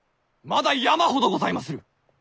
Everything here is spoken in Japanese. まだ山ほどございまする！